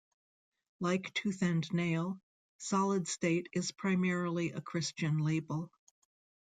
Like Tooth and Nail, Solid State is primarily a Christian label.